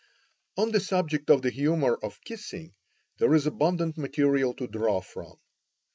On the subject of the humors of kissing there is abundant material to draw from.